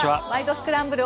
スクランブル」